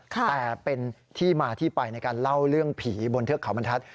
แต่เป็นที่มาที่ไปในการเล่าเรื่องผีบนเทือกเขาบรรทัศน